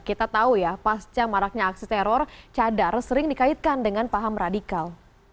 kita tahu ya pasca maraknya aksi teror cadar sering dikaitkan dengan paham radikal